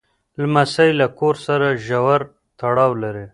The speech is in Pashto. لمسی له کور سره ژور تړاو لري.